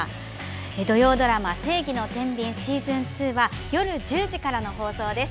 土曜ドラマ「正義の天秤Ｓｅａｓｏｎ２」夜１０時から放送です。